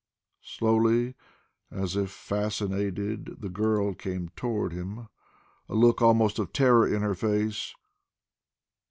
Slowly, as if fascinated, the girl came toward him, a look almost of terror in her face.